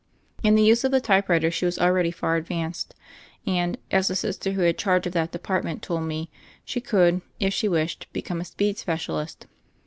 In the use of the typewriter she was already far advanced, and, as the Sister who had charge of that de partment told me, she could, if she wished, be come a ''speed specialist."